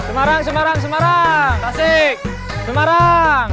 semarang semarang semarang